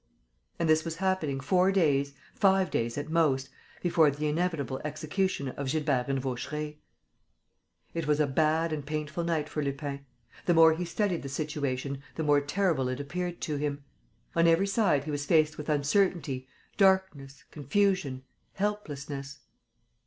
And this was happening four days, five days at most, before the inevitable execution of Gilbert and Vaucheray. It was a bad and painful night for Lupin. The more he studied the situation the more terrible it appeared to him. On every side he was faced with uncertainty, darkness, confusion, helplessness.